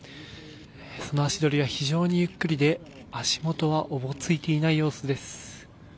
その足取りは非常にゆっくりで足元はおぼついていない様子です。